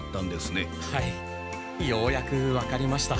はいようやく分かりました。